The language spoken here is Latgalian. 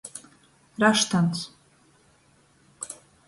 Raštants.